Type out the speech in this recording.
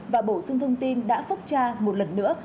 và bổ sung thông tin đã phúc tra một lần nữa